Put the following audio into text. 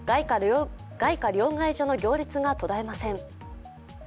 外貨両替所の行列が途絶えません。